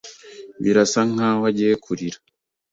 Birasa nkaho agiye kurira.